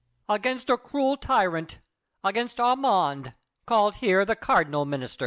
Against a cruel tyrant—against Armand, Called here the cardinal minister!